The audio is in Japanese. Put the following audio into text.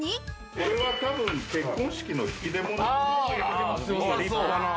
これは多分、結婚式の引出物かな。